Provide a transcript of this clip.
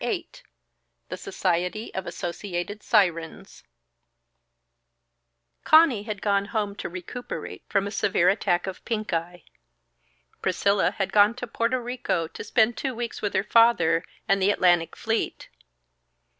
VIII The Society of Associated Sirens Conny had gone home to recuperate from a severe attack of pink eye. Priscilla had gone to Porto Rico to spend two weeks with her father and the Atlantic Fleet.